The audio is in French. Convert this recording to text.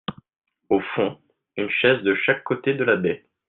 Au fond, une chaise de chaque côté de la baie.